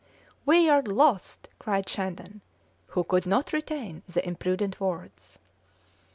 "We are lost!" cried Shandon, who could not retain the imprudent words.